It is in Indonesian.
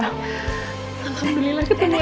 alhamdulillah ketemu rena